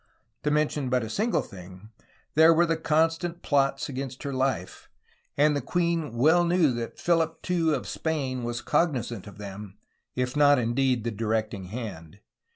To mention but a single thing, there were constant plots against her life, and the queen well knew that Phihp II of Spain was cognizant of them, if not indeed the directing hand.